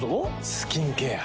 スキンケア。